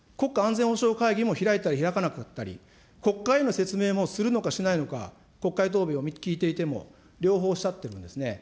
国家安全保障会議も開いたり開かなかったり、国会への説明もするのかしないのか、国会答弁を聞いていても、両方おっしゃってるんですね。